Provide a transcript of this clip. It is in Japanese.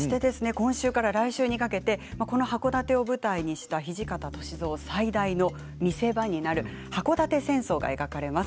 今週から来週にかけてこの箱館を舞台にして土方歳三の最大の見せ場になる箱館戦争が描かれます。